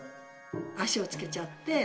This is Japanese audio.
足をつけちゃって。